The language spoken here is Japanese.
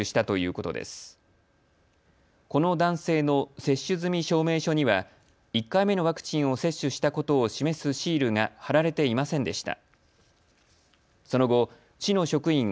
この男性の接種済み証明書には１回目のワクチンを接種したことを示すシールが貼られていませんでした。